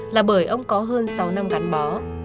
là bởi ông có hơn sáu năm gắn bó